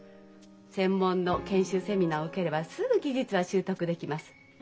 専門の研修セミナーを受ければすぐ技術は習得できます。